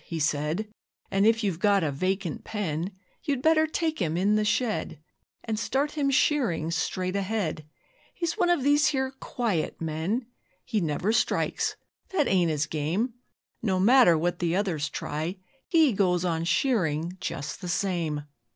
he said, And if you've got a vacant pen You'd better take him in the shed And start him shearing straight ahead, He's one of these here quiet men. 'He never strikes that ain't his game; No matter what the others try HE goes on shearing just the same.